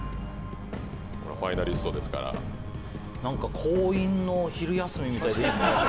ファイナリストですから何か工員の昼休みみたいでいいね